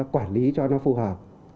quản lý cho nó phù hợp